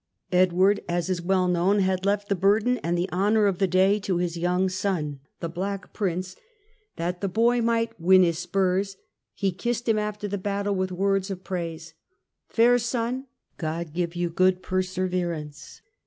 Edward, as is well known, had left the burden and the honour of the day to his young son the Black Prince, that the boy 138 THE END OF THE MIDDLE AGE might " win his spurs ": he kissed him after the battle with words of praise :" Fair son, God give you good per severance.